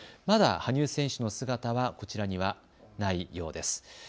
まだ羽生選手の姿はこちらにはないようです。